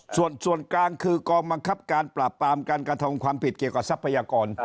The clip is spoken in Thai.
ส่วนส่วนกลางคือกองบังคับการปราบปรามการกระทำความผิดเกี่ยวกับทรัพยากร